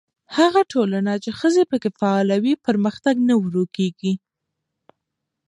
هغه ټولنه چې ښځې پکې فعاله وي، پرمختګ نه ورو کېږي.